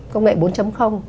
công nghệ bốn